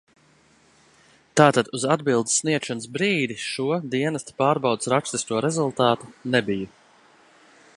Tātad uz atbildes sniegšanas brīdi šo dienesta pārbaudes rakstisko rezultātu nebija.